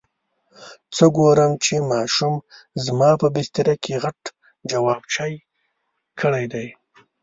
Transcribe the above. څه ګورم چې ماشوم زما په بستره کې غټ جواب چای کړی دی.